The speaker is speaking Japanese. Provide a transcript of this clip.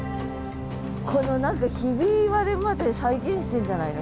この何かひび割れまで再現してんじゃないの？